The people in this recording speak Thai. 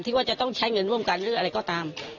ว่าจะต้องใช้เงินร่วมกันหรืออะไรก็ตาม